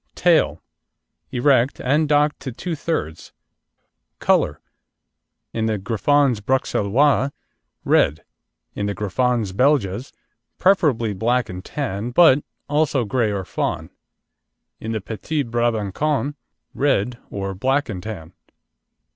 TAIL Erect, and docked to two thirds. COLOUR In the Griffons Bruxellois, red; in the Griffons Belges, preferably black and tan, but also grey or fawn; in the Petit Brabancon, red or black and tan.